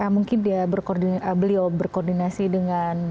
mungkin dia berkoordinasi beliau berkoordinasi dengan